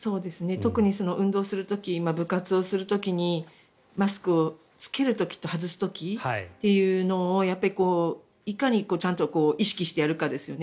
特に運動する時部活をする時にマスクを着ける時と外す時っていうのをいかにちゃんと意識してやるかですよね。